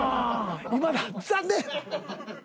今田残念！